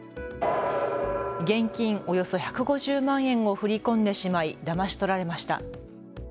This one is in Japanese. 現金およそ１５０万円を振り込んでしまいだまし取られました。